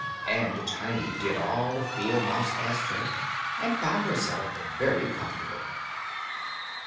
And Tiny did all the field mouse asked her, and found herself very comfortable.